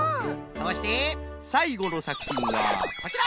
そしてさいごのさくひんはこちら！